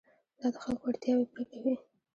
دا د خلکو اړتیاوې پوره کوي.